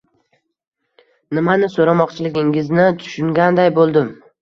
Nimani so`ramoqchiligingizni tushunganday bo`ldim